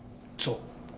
そう。